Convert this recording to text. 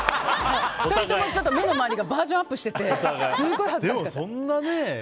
２人とも目の周りがバージョンアップしててすごい恥ずかしかった。